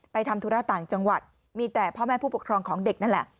ทำธุระต่างจังหวัดมีแต่พ่อแม่ผู้ปกครองของเด็กนั่นแหละ